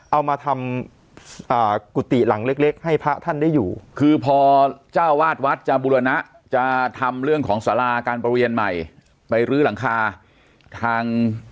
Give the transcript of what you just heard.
เอามาทำกุฏิหลังเล็กเล็กให้พระท่านได้อยู่คือพอเจ้าวาดวัดจะบุรณะจะทำเรื่องของสาราการประเรียนใหม่ไปรื้อหลังคาทาง